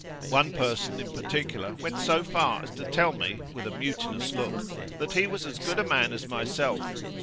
One person, in particular, went so far as to tell me, with a mutinous look, that he was as good a man as myself.